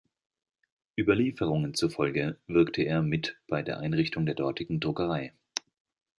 Überlieferungen zufolge wirkte er mit bei der Einrichtung der dortigen Druckerei.